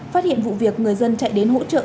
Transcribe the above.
phát hiện vụ việc người dân chạy đến hỗ trợ